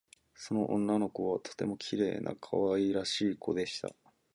その女の子はとてもきれいなかわいらしいこでした